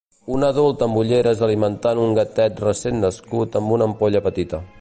Un adult amb ulleres alimentant un gatet recent nascut amb una ampolla petita